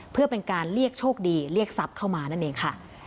เพื่อเป็นการเรียกโชคดีเรียกทรัพย์เข้ามานั่นเองค่ะ